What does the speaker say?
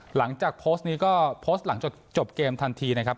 หลังจากโพสต์นี้ก็โพสต์หลังจากจบเกมทันทีนะครับ